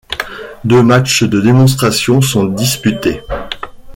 Deux matchs de démonstration sont disputés.